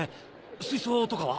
水槽とかは？